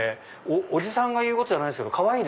おじさんが言うことじゃないけどかわいい。